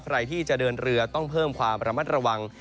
ใครที่จะเดินเรือต้องเพิ่มความระมัดระวัง